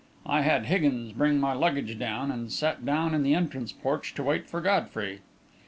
I had Higgins bring my luggage down, and sat down in the entrance porch to wait for Godfrey.